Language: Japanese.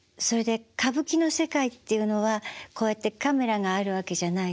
あの歌舞伎の世界っていうのはこうやってカメラがあるわけじゃないですから。